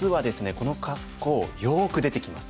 この格好よく出てきます。